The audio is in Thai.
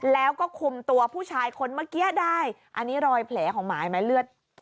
แล้วก็คุมตัวผู้ชายคนเมื่อกี้ได้อันนี้รอยแผลของหมายไหมเลือด